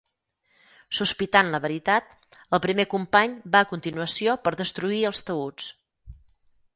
Sospitant la veritat, el primer company va a continuació per destruir els taüts.